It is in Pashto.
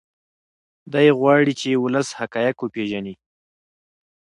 دی غواړي چې ولس حقایق وپیژني.